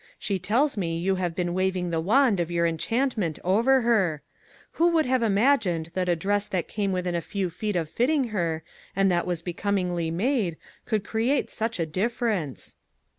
She tells me you have been waving the wand of your enchantment over her. Who would have imagined that a dress that came within a few feet of fitting her, and that was becomingly made, could create such a differ ence